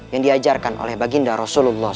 yang diajarkan oleh baginda rasulullah saw